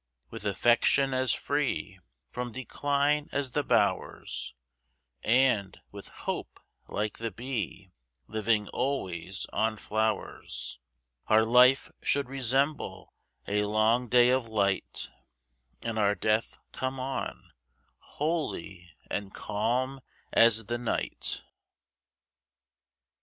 With affection as free From decline as the bowers, And, with hope, like the bee, Living always on flowers, Our life should resemble a long day of light, And our death come on, holy and calm as the night.